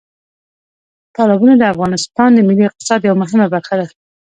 تالابونه د افغانستان د ملي اقتصاد یوه مهمه برخه ده.